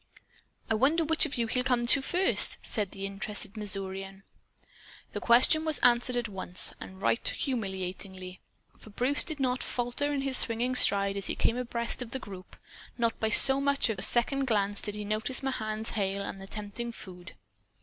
"I wonder which of you he'll come to, first," said the interested Missourian. The question was answered at once, and right humiliatingly. For Bruce did not falter in his swinging stride as he came abreast of the group. Not by so much as a second glance did he notice Mahan's hail and the tempting food.